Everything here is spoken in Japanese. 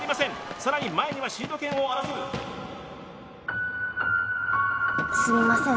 さらに前にはシード権を争うすみません